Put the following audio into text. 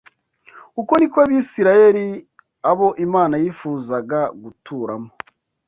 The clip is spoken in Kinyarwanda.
Uko ni ko Abisirayeli abo Imana yifuzaga guturamo